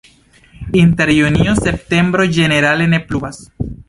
Inter junio-septembro ĝenerale ne pluvas.